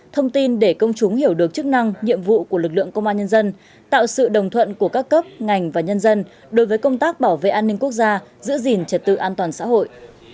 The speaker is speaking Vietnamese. thông tin để công chúng hiểu được chức năng nhiệm vụ của lực lượng công an nhân dân tạo sự đồng thuận của các cấp ngành và nhân dân đối với công tác bảo vệ an ninh quốc gia giữ gìn trật tự an toàn xã hội